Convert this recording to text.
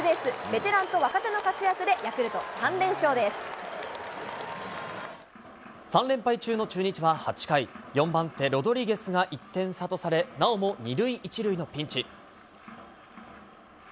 ベテランと若手の活躍でヤクルト、３連敗中の中日は８回、４番手、ロドリゲスが１点差とされ、なおも２塁１塁のピンチ。